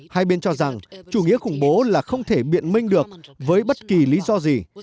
hai bên cho rằng chủ nghĩa khủng bố là không thể biện minh được với bất kỳ lý do gì